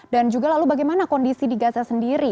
dan juga lalu bagaimana kondisi di gaza sendiri